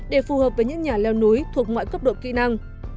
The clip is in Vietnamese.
để phù hợp với những nhà leo núi thuộc mọi cấp độ kỹ năng